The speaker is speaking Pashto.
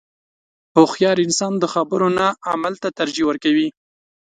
• هوښیار انسان د خبرو نه عمل ته ترجیح ورکوي.